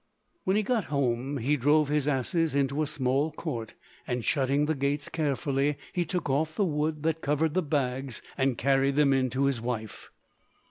When he got home he drove his asses into a small court, and shutting the gates carefully he took off the wood that covered the bags and carried them in to his wife.